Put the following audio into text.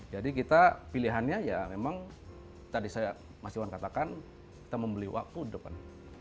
jadi kita pilihannya ya memang tadi saya mas iwan katakan kita membeli waktu di depan